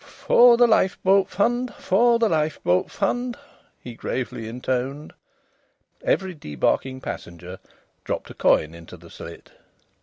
"For the Lifeboat Fund! For the Lifeboat Fund!" he gravely intoned. Every debarking passenger dropped a coin into the slit.